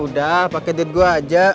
udah pake duit gua aja